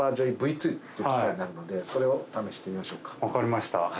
わかりました。